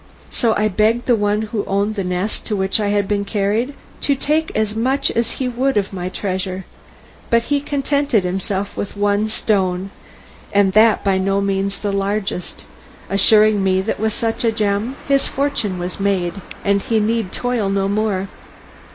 So I begged the one who owned the nest to which I had been carried to take as much as he would of my treasure, but he contented himself with one stone, and that by no means the largest, assuring me that with such a gem his fortune was made, and he need toil no more.